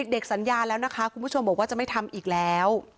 สัญญาแล้วนะคะคุณผู้ชมบอกว่าจะไม่ทำอีกแล้ว